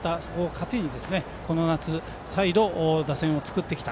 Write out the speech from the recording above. それを糧に、この夏、再度打線を作ってきた。